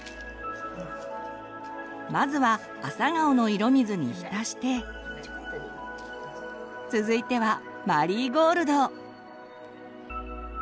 まずはアサガオの色水に浸して続いてはマリーゴールド。